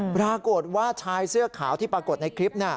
ปรากฏว่าชายเสื้อขาวที่ปรากฏในคลิป